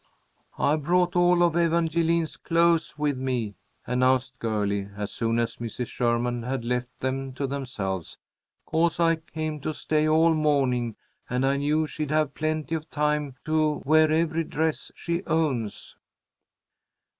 "I brought all of Evangeline's clothes with me," announced Girlie, as soon as Mrs. Sherman had left them to themselves. "'Cause I came to stay all morning, and I knew she'd have plenty of time to wear every dress she owns."